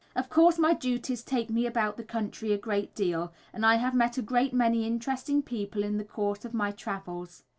Of course, my duties take me about the country a great deal, and I have met a great many interesting people in the course of my travels.